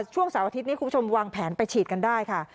ช่วงเสาร์อาทิตย์นี้คุณผู้ชมวางแผนไปฉีดกันได้ค่ะ